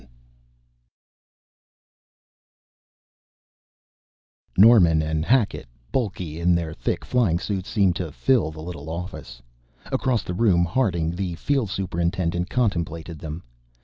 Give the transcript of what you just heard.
] Norman and Hackett, bulky in their thick flying suits, seemed to fill the little office. Across the room Harding, the field superintendent, contemplated them.